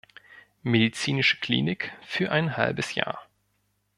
Medizinische Klinik für ein halbes Jahr.